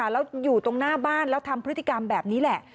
แล้วอยู่ตรงหน้าบ้านแล้วทำพฤติกรรมแบบนี้แหละ